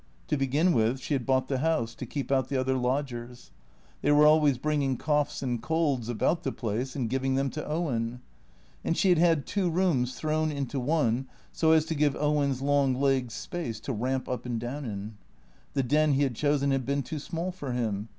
To begin with, she had bought the house, to keep out the other lodgers. They were always bringing coughs and colds about the place and giving them to Owen. And she had had two rooms thrown into one so as to give Owen's long legs space to ramp up and down in. The den he had chosen had been too small for him.